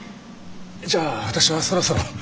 じゃあ私はそろそろ。